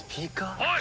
おい！